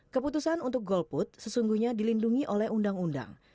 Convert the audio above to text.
keputusan untuk golput sesungguhnya dilindungi oleh undang undang